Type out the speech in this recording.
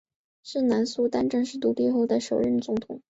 是南苏丹正式独立后的首任总统。